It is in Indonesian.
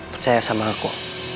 percaya sama aku